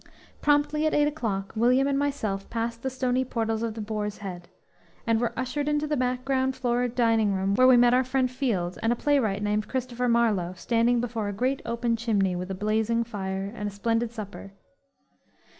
Promptly at eight o'clock William and myself passed the stony portals of the Boar's Head, and were ushered into the back ground floor dining room where we met our friend Field and a playwright named Christopher Marlowe, standing before a great open chimney, with a blazing fire and a splendid supper.